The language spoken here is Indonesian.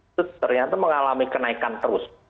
itu ternyata mengalami kenaikan terus